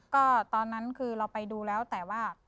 ก็ตอนนั้นคือเราไปดูแล้วแต่ว่า